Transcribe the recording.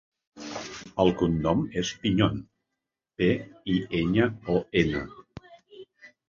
El cognom és Piñon: pe, i, enya, o, ena.